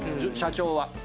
社長は。